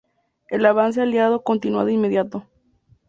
El avance aliado continuó de inmediato.